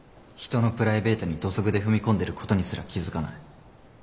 人のプライベートに土足で踏み込んでることにすら気付かない。